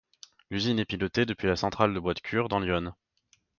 L'usine est pilotée depuis la centrale de Bois de Cure, dans l'Yonne.